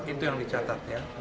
itu yang dicatat ya